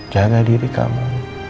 jaga diri kamu